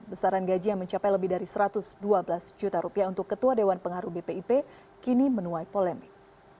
besaran gaji yang mencapai lebih dari satu ratus dua belas juta rupiah untuk ketua dewan pengaruh bpip kini menuai polemik